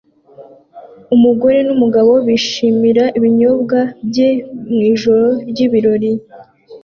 Umugore numugabo bishimira ibinyobwa bye mwijoro ryibirori